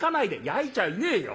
「やいちゃいねえよ